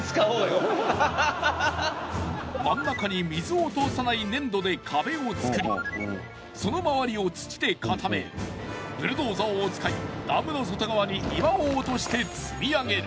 真ん中に水を通さない粘土で壁を造りその周りを土で固めブルドーザーを使いダムの外側に岩を落として積み上げる。